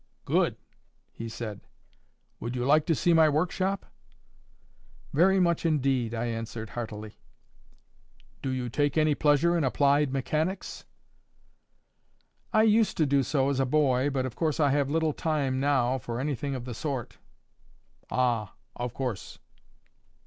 "Good," he said—"Would you like to see my work shop?" "Very much, indeed," I answered, heartily. "Do you take any pleasure in applied mechanics?" "I used to do so as a boy. But of course I have little time now for anything of the sort." "Ah! of course."